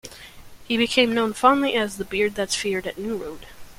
He became known fondly as "the beard that's feared" at New Road.